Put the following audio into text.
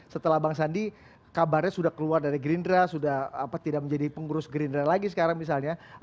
setelah bang sandi kabarnya sudah keluar dari gerindra sudah tidak menjadi pengurus gerindra lagi sekarang misalnya